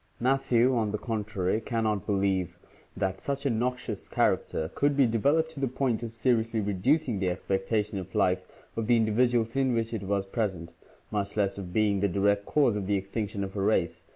Matthew, on the contrary, can not believe " that such a noxious character could be developed to the point of seriously reducing the expectation of life of the individuals in which it was present, much less of being the direct cause of the extinction of a race."